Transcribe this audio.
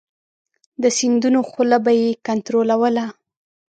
د سیندونو خوله به یې کنترولوله.